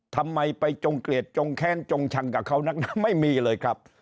ทำไมไปจงเกลียดจงแค้นจงชังกับเขานักไม่มีเลยครับ